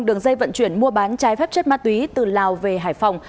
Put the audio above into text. đường dây vận chuyển mua bán trái phép chất ma túy từ lào về hải phòng